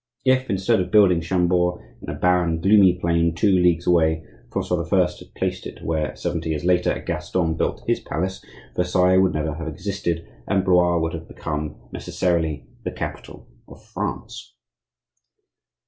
If, instead of building Chambord in a barren, gloomy plain two leagues away, Francois I. had placed it where, seventy years later, Gaston built his palace, Versailles would never have existed, and Blois would have become, necessarily, the capital of France.